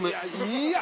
いや！